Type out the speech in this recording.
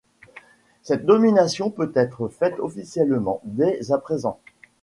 Cette nomination peut être faite officieusement dès à présent.